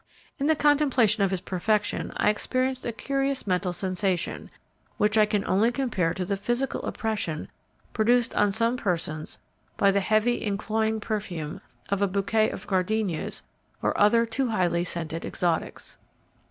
In the contemplation of its perfection I experienced a curious mental sensation, which I can only compare to the physical oppression produced on some persons by the heavy and cloying perfume of a bouquet of gardenias or other too highly scented exotics.